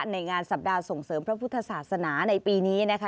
ในงานสัปดาห์ส่งเสริมพระพุทธศาสนาในปีนี้นะคะ